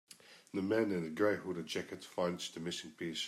The man in the gray hooded jacket finds the missing piece.